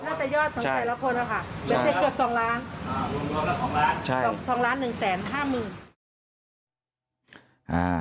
เกือบ๒ล้าน๒ล้าน๑แสน๕หมื่น